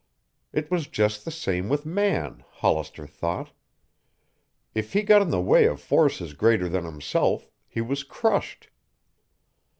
It was just the same with man, Hollister thought. If he got in the way of forces greater than himself, he was crushed.